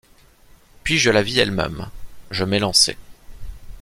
Puis je la vis elle-même, je m’élançai.